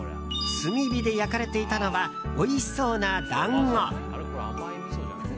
炭火で焼かれていたのはおいしそうな団子。